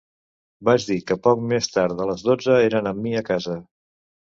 Vaig dir que poc més tard de les dotze era amb mi, a casa.